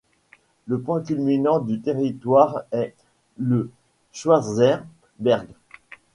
Le point culminant du territoire est le Schwarzer Berg.